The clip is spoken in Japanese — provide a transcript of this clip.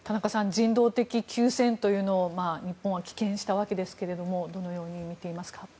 人道的休戦というのを日本は棄権したわけですがどのように見ていますか。